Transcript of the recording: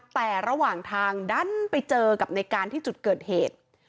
แต่ระหว่างทางดันไปเจอกับในการที่จุดเกิดเหตุ